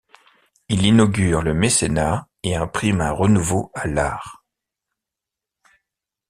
Il inaugure le mécénat et imprime un renouveau à l'art.